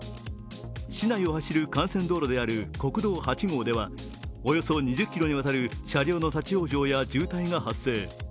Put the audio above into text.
市内を走る幹線道路である国道８号ではおよそ２０ｋｍにわたる車両の立往生や渋滞が発生。